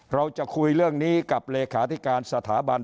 เราจะคุยเรื่องนี้กับเลขาธิการสถาบัน